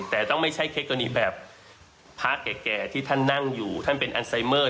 แต่ต้องไม่ใช่เคสกรณีแบบพระแก่ที่ท่านนั่งอยู่ท่านเป็นอันไซเมอร์